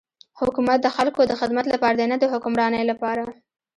حکومت د خلکو د خدمت لپاره دی نه د حکمرانی لپاره.